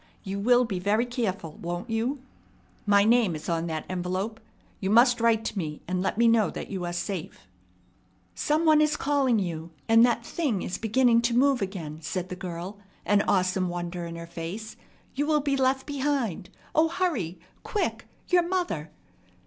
You will be very careful, won't you? My name is on that envelope. You must write to me and let me know that you are safe." "Some one is calling you, and that thing is beginning to move again," said the girl, an awesome wonder in her face. "You will be left behind! O, hurry! Quick! Your mother!"